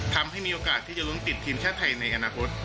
ทำให้มีโอกาสที่จะลงติดทีมชาติไทยในอนาคต